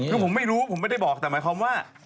คือผมไม่รู้ผมไม่ได้บอกแต่หมายความว่า